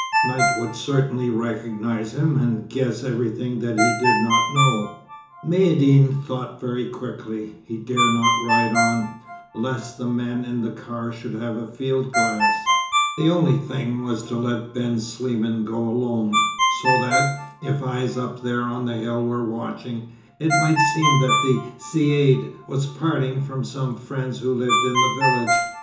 Knight would certainly recognize him, and guess everything that he did not know. Maïeddine thought very quickly. He dared not ride on, lest the men in the car should have a field glass. The only thing was to let Ben Sliman go alone, so that, if eyes up there on the hill were watching, it might seem that the Caïd was parting from some friend who lived in the village.